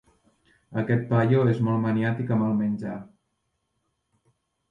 Aquest paio és molt maniàtic amb el menjar.